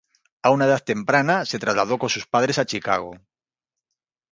A una edad temprana se trasladó con sus padres a Chicago.